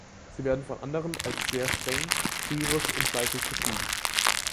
Sie werden von anderen als sehr streng, kriegerisch und fleißig beschrieben.